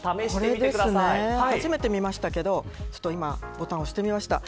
初めて見ましたけどボタンを押してみました。